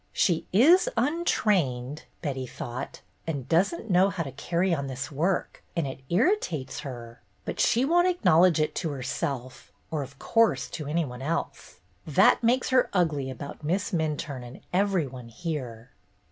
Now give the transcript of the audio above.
"She is untrained," Betty thought, "and does n't know how to carry on this work, and it irritates her. But she won't acknowledge it to herself, or, of course, to any one else. That makes her ugly about Miss Minturne and every one here."